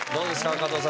加藤さん。